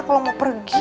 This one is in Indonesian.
kalo mau pergi